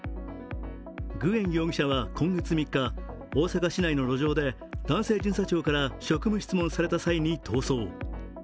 グエン容疑者は今月３日、大阪市内の路上で男性巡査長から職務質問された際に逃走。